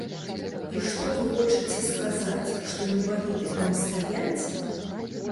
І што вы хочаце сказаць, што інваліды там стаяць?